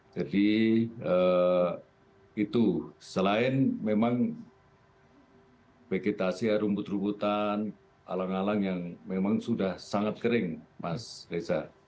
jadi itu selain memang vegetasi ya rumput rumputan alang alang yang memang sudah sangat kering mas desa